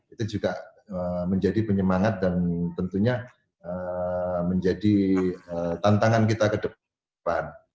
itu juga menjadi penyemangat dan tentunya menjadi tantangan kita ke depan